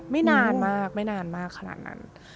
ไม่นานมากไม่นานมากขนาดนั้น